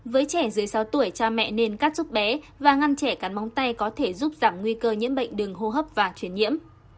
với trẻ dưới sáu tuổi cha mẹ nên cắt giúp bé và ngăn trẻ cắn móng tay có thể giúp giảm nguy cơ nhiễm bệnh đường hô hấp và chuyển nhiễm